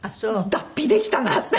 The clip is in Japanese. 脱皮できたなって。